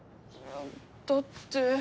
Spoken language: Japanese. だって。